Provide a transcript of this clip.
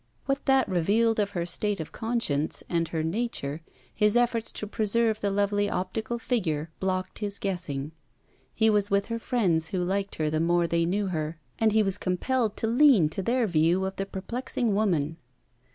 What that revealed of her state of conscience and her nature, his efforts to preserve the lovely optical figure blocked his guessing. He was with her friends, who liked her the more they knew her, and he was compelled to lean to their view of the perplexing woman.